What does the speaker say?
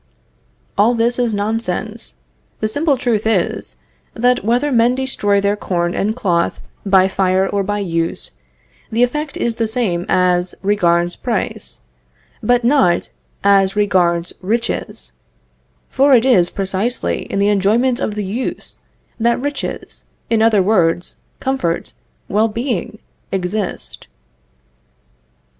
All this is nonsense. The simple truth is: that whether men destroy their corn and cloth by fire or by use, the effect is the same as regards price, but not as regards riches, for it is precisely in the enjoyment of the use, that riches in other words, comfort, well being exist.